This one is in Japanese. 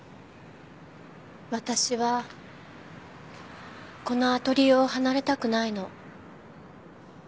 私はこのアトリエを離れたくないの。